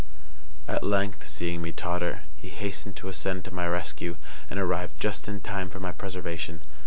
At length, seeing me totter, he hastened to ascend to my rescue, and arrived just in time for my preservation.